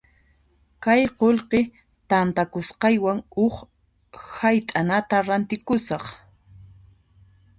Kay qullqi tantakusqaywan huk hayt'anata rantikusaq.